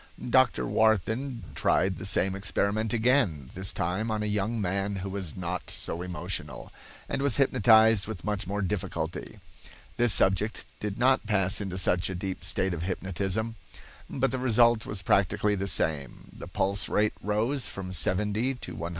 Dr. Warthin tried the same experiment again, this time on a young man who was not so emotional, and was hypnotized with much more difficulty. This subject did not pass into such a deep state of hypnotism, but the result was practically the same. The pulse rate rose from 70 to 120.